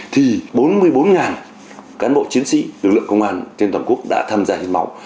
thì bốn mươi bốn cán bộ chiến sĩ lực lượng công an trên toàn quốc đã tham gia hiến máu